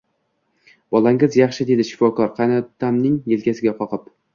Bolangiz yaxshi dedi shifokor qaynotamning yelkasiga qoqib